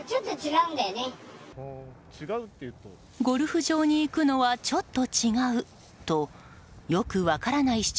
ゴルフ場に行くのはちょっと違うとよく分からない